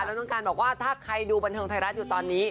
แล้วต้องการบอกว่าถ้าใครดูบันเทิงไทยรัฐอยู่ตอนนี้